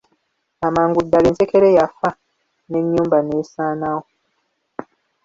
Amangu ddala ensekere yafa, n'ennyumba n'esaanawo!